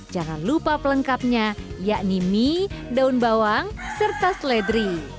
jangan lupa pelengkapnya yakni mie daun bawang serta seledri